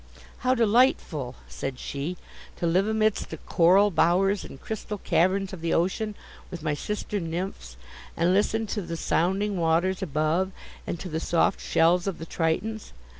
"How delightful," said she, "to live amidst the coral bowers and crystal caverns of the ocean, with my sister nymphs, and listen to the sounding waters above, and to the soft shells of the tritons!